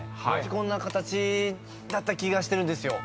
こんな形だった気がしてるんですよ。